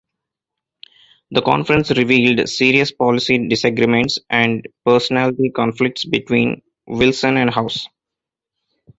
The conference revealed serious policy disagreements and personality conflicts between Wilson and House.